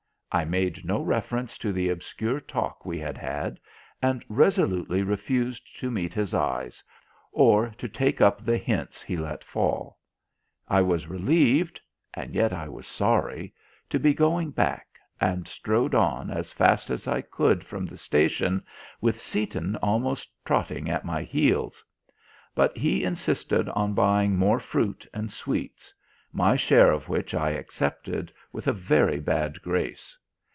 I made no reference to the obscure talk we had had, and resolutely refused to meet his eyes or to take up the hints he let fall. I was relieved and yet I was sorry to be going back, and strode on as fast as I could from the station, with Seaton almost trotting at my heels. But he insisted on buying more fruit and sweets my share of which I accepted with a very bad grace.